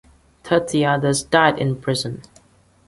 Thirty others died in prison.